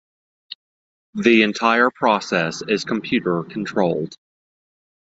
The entire process is computer controlled.